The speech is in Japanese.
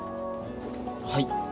はい。